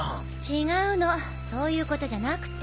違うのそういうことじゃなくて。